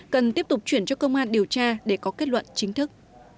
cần tiếp tục chuyển cho công an điều tra để có kết luận chính thức